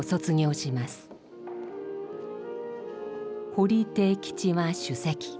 堀悌吉は首席。